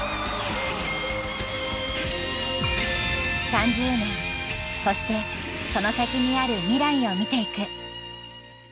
３０年そしてその先にある未来を見ていく。